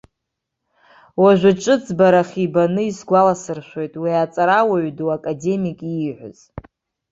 Уажәы ҿыцбарах ибаны исгәаласыршәоит уи аҵарауаҩ ду, академик ииҳәаз.